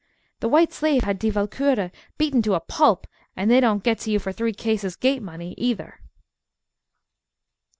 The White Slave had Die Walkure beaten to a pulp, and they don't get to you for three cases gate money, either.